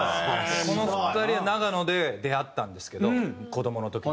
この２人は長野で出会ったんですけど子どもの時に。